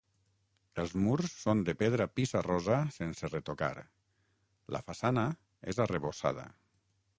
Els murs són de pedra pissarrosa sense retocar, la façana és arrebossada.